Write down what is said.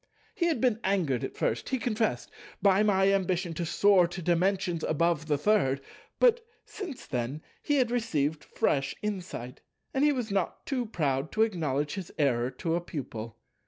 He had been angered at first—he confessed—by my ambition to soar to Dimensions above the Third; but, since then, he had received fresh insight, and he was not too proud to acknowledge his error to a Pupil.